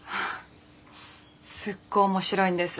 すっごい面白いんです。